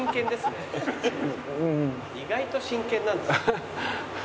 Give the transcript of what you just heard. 意外と真剣なんですね。